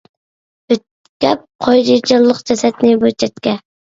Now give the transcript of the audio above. يۆتكەپ قويدى جانلىق جەسەتنى بىر چەتكە.